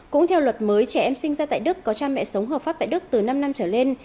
cũng theo luật mới trẻ em sinh ra tại đức có cha mẹ sống hợp pháp tại đức từ năm năm trở lên